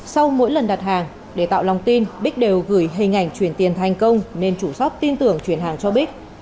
sau mỗi lần đặt hàng để tạo lòng tin bích đều gửi hình ảnh chuyển tiền thành công nên chủ shp tin tưởng chuyển hàng cho bích